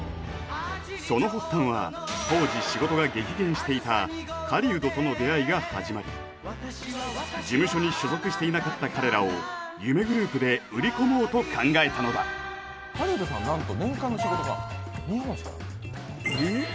その発端は当時仕事が激減していた狩人との出会いが始まり事務所に所属していなかった彼らを夢グループで売り込もうと考えたのだ狩人さんは何と年間の仕事が２本しかなかったえっ？